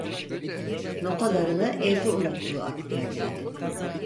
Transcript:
Notalarını evde unuttuğu aklına geldi.